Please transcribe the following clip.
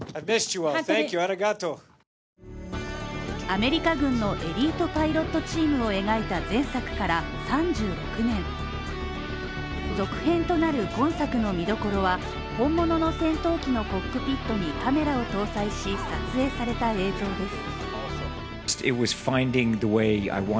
アメリカ軍のエリートパイロットチームを描いた前作から３６年続編となる今作の見どころは、本物の戦闘機のコックピットにカメラを搭載し撮影された映像です。